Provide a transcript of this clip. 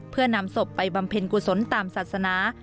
เพื่อนำศพไปบำเพ็ญกุศลตามศาสนา